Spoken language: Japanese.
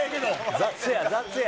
雑や、雑や。